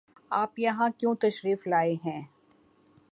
آپ یہاں کیوں تشریف لائے ہیں؟